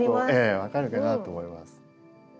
分かるかなと思います。